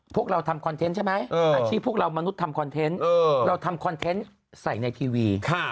พวกเราทำคอนเทนต์ใช่ไหมอาชีพพวกเรามนุษย์ทำคอนเทนต์เราทำคอนเทนต์ใส่ในทีวี